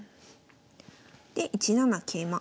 で１七桂馬。